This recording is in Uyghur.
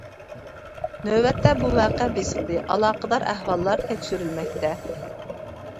نۆۋەتتە بۇ ۋەقە بېسىقتى، ئالاقىدار ئەھۋاللار تەكشۈرۈلمەكتە.